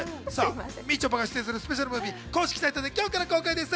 みちょぱが出演するスペシャルムービー、公式サイトで今日から公開です。